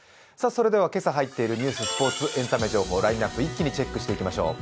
それでは今朝はいっているスポーツエンタメ情報ラインナップ一気にチェックしていきましょう。